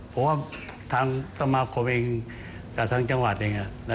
เพราะว่าทางสมาคมเองกับทางจังหวัดเอง